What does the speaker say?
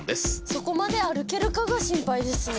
そこまで歩けるかが心配ですね